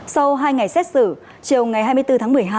sau hai ngày xét xử chiều ngày hai mươi bốn tháng một mươi hai